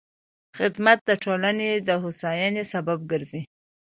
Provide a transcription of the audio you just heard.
خدمت د ټولنې د هوساینې سبب ګرځي.